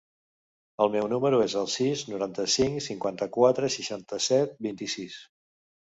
El meu número es el sis, noranta-cinc, cinquanta-quatre, seixanta-set, vint-i-sis.